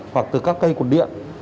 hoặc từ các cây quần điện